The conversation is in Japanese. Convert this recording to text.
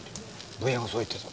ブンヤがそう言ってた。